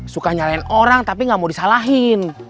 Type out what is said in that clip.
suka nyalain orang tapi gak mau disalahin